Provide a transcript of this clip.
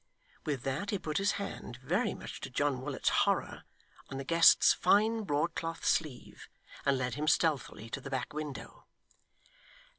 With that, he put his hand, very much to John Willet's horror, on the guest's fine broadcloth sleeve, and led him stealthily to the back window.